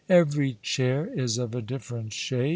Every chair is of a different shade.